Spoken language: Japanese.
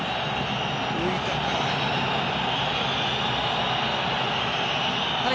浮いたか。